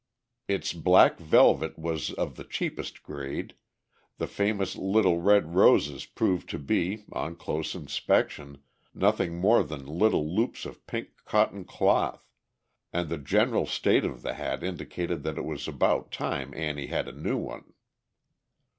Its black velvet was of the cheapest grade, the famous little red roses proved to be, on close inspection, nothing more than little loops of pink cotton cloth, and the general state of the hat indicated that it was about time Annie had a new one.